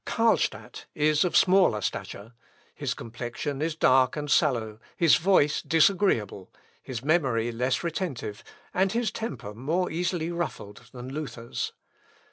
"Carlstadt is of smaller stature; his complexion is dark and sallow, his voice disagreeable, his memory less retentive, and his temper more easily ruffled than Luther's.